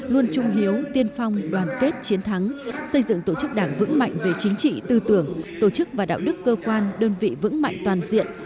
luôn trung hiếu tiên phong đoàn kết chiến thắng xây dựng tổ chức đảng vững mạnh về chính trị tư tưởng tổ chức và đạo đức cơ quan đơn vị vững mạnh toàn diện